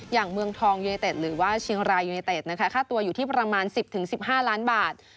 อย่างเมืองทองยูเนเตตหรือว่าเชียงรายยูเนเตตนะคะค่าตัวอยู่ที่ประมาณสิบถึงสิบห้าร้านบาท